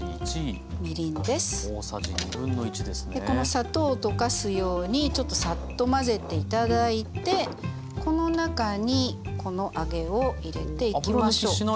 この砂糖を溶かすようにちょっとさっと混ぜて頂いてこの中にこの揚げを入れていきましょう。